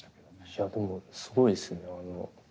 いやでもすごいですね。